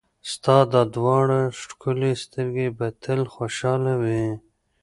ستا دا دواړه ښکلې سترګې به تل خوشحاله وي.